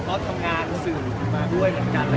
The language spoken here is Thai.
ก็ทำงานสื่อมาด้วยเหมือนกัน